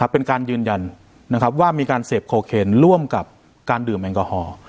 เป็นการยืนยันว่ามีการเสพโคเคนร่วมกับการดื่มแอลกอฮอล์